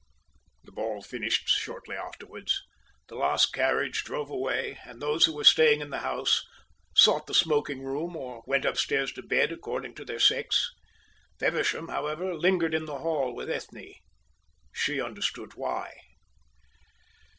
The ball finished shortly afterwards. The last carriage drove away, and those who were staying in the house sought the smoking room or went upstairs to bed according to their sex. Feversham, however, lingered in the hall with Ethne. She understood why.